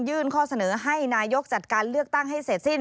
ข้อเสนอให้นายกจัดการเลือกตั้งให้เสร็จสิ้น